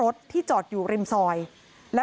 ค่ะ